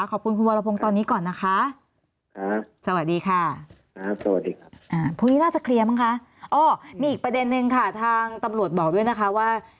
ขอบคุณคุณวรพงศ์ตอนนี้ก่อนนะคะ